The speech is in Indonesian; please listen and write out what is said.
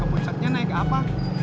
ke puncaknya naik apa